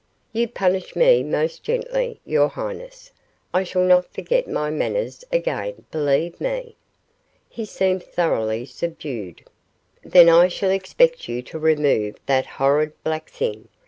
"You punish me most gently, your highness. I shall not forget my manners again, believe me." He seemed thoroughly subdued. "Then I shall expect you to remove that horrid black thing.